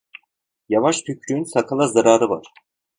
Yavaş tükürüğün sakala zararı var.